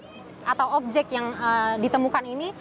untuk mengangkut alat alat atau objek yang ditemukan ini